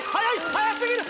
速すぎる！